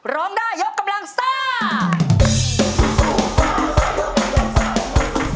ร้องได้ยกกำลังซ่า